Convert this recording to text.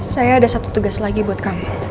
saya ada satu tugas lagi buat kami